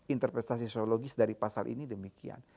interpretasi sosiologis dari pasal ini demikian